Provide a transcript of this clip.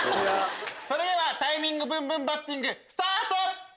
タイミングブンブンバッティングスタート！